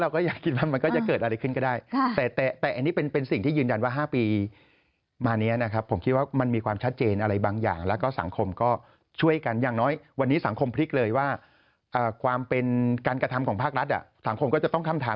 ก็จะต้องเข้าในนี้นะครับผมคิดว่ามันมีความชัดเจนอะไรบางอย่างและก็สังคมก็ช่วยกันอย่างน้อยวันนี้สังคมพลิกเลยว่าความเป็นการกระทำของภาครัฐอ่ะถังความต้องเข้ามา